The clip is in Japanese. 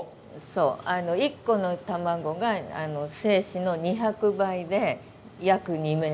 そう一個の卵があの精子の２００倍で約２ｍ。